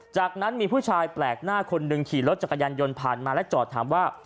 จากนั้นมีผู้ชายแปลกหน้าคนหนึ่งขี่รถจักรยานยนต์ผ่านมาและจอดถามว่า